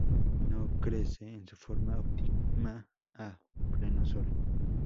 No crece en su forma óptima a pleno sol.